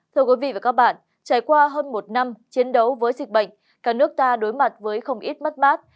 thưa quý vị và các bạn trải qua hơn một năm chiến đấu với dịch bệnh cả nước ta đối mặt với không ít mất mát